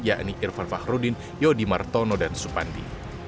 yakni irfan fahrudin yodi martono dan supandi